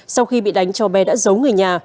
sau khi bị đánh cho bé đã giấu người nhà